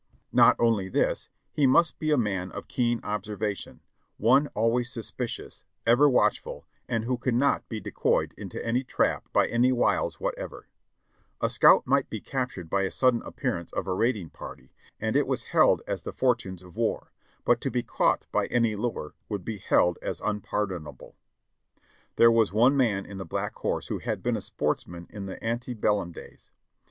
Not only this, he must be a man of keen observation, one always suspicious, ever watchful and who cannot be decoyed into any trap by any wiles whatever, A scout might be captured by the sudden appearance of a raiding party, and it was held as the fortunes of war, but to be caught by any lure would be held as unpardonable. There was one man in the Black Horse who had been a sports man in the ante bellum days.